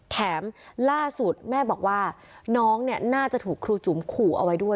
แถมล่าสุดแม่บอกว่าน้องเนี่ยน่าจะถูกครูจุ๋มขู่เอาไว้ด้วย